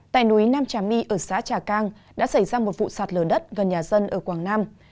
tại núi nam trà my ở xã trà cang đã xảy ra một vụ sạt lở đất gần nhà dân ở quảng nam